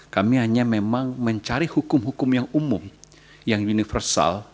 kami hanya memang mencari hukum hukum yang umum yang universal